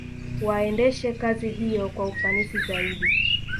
Waendeshe kazi hiyo kwa ufanisi zaidi